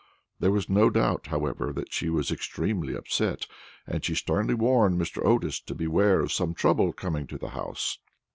There was no doubt, however, that she was extremely upset, and she sternly warned Mr. Otis to beware of some trouble coming to the house.